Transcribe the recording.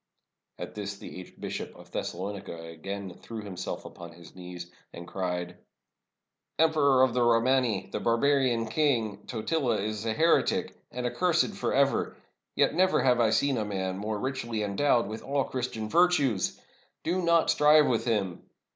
At this the aged Bishop of Thessalonica again threw himself upon his knees, and cried :—" 0 Emperor of the Romani, the barbarian king, Tot ila, is a heretic, and accursed forever, yet never have I 557 ROME seen a man more richly endowed with all Christian vir tues! Do not strive with him!